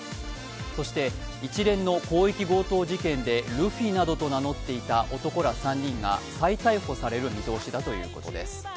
そして一連の広域強盗事件でルフィなどと名乗っていた男３人が再逮捕される見通しだということです。